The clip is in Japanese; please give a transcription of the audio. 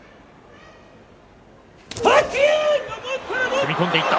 踏み込んでいった。